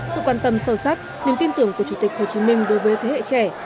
sự quan tâm sâu sắc niềm tin tưởng của chủ tịch hồ chí minh đối với thế hệ trẻ